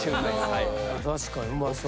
確かにうまそう。